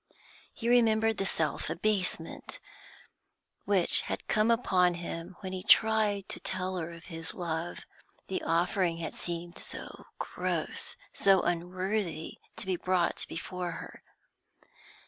He remembered the self abasement which had come upon him when he tried to tell her of his love; the offering had seemed so gross, so unworthy to be brought before her.